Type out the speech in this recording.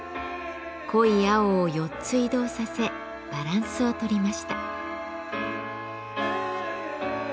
濃い青を４つ移動させバランスを取りました。